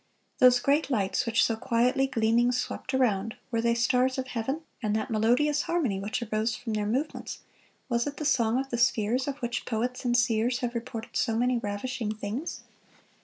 Those great lights, which so quietly gleaming swept around, were they stars of heaven, and that melodious harmony which arose from their movements, was it the song of the spheres, of which poets and seers have reported so many ravishing things?